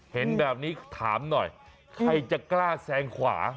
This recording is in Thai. เห็นแบบนี้ถามหน่อยใครจะกล้าแซงขวา